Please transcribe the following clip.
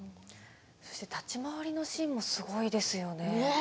立ち回りのシーンもすごいですよね。